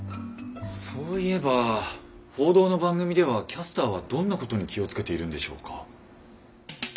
そういえば報道の番組ではキャスターはどんなことに気を付けているんでしょうか？